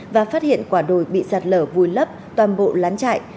và phát hiện quả đồi bị sạt lở vùi lấp toàn bộ lán chạy